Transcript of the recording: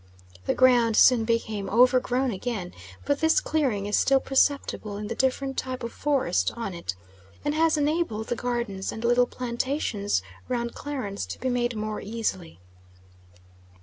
The ground soon became overgrown again, but this clearing is still perceptible in the different type of forest on it, and has enabled the gardens and little plantations round Clarence to be made more easily.